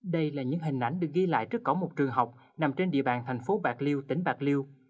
đây là những hình ảnh được ghi lại trước cổng một trường học nằm trên địa bàn thành phố bạc liêu tỉnh bạc liêu